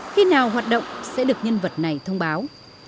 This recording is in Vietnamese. khi nào hoạt động sẽ được nhân vật này thông báo